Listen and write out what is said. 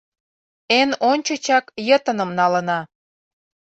Эн ончычак, йытыным налына.